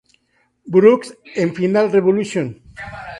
Brooks en Final Resolution.